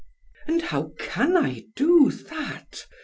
"And how can I do that?"